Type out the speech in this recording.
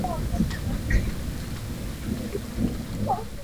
eneo la Meskhetia liliunganishwa na Dola ya Ottoman